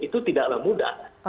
itu tidaklah mudah